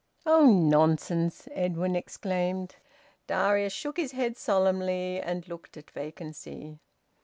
"Oh, nonsense!" Edwin exclaimed. Darius shook his head solemnly, and looked at vacancy.